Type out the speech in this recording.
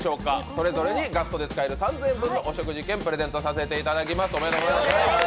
それぞれにガストで使える３０００円ふのお食事券、プレゼントさせていただきます。